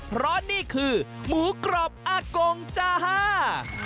เพราะอันนี้คือหมูกรอบอกงชะฮะ